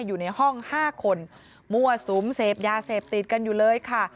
อยู่ในห้อง๕คนมั่วสุมเสพยาเสพติดกันอยู่เลยค่ะ